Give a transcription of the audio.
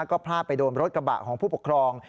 ก็พลาดไปโดนรถกระบะของผู้ปกครอง